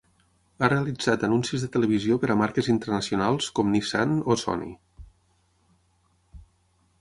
Ha realitzat Anuncis de televisió per a marques internacionals com Nissan o Sony.